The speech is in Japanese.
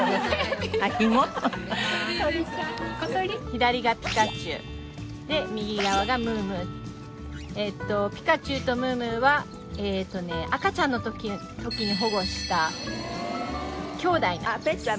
「左がピカチュウで右側がミュウミュウ」「ピカチュウとミュウミュウは赤ちゃんの時に保護したきょうだいなんです」